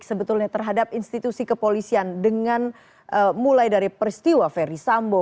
sebetulnya terhadap institusi kepolisian dengan mulai dari peristiwa ferry sambo